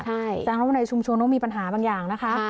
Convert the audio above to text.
แต่ข้างล่างว่าในชุมชวงนั้งมีปัญหาบางอย่างนะคะ